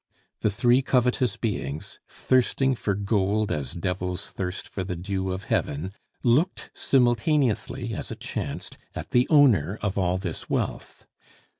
The three covetous beings, thirsting for gold as devils thirst for the dew of heaven, looked simultaneously, as it chanced, at the owner of all this wealth.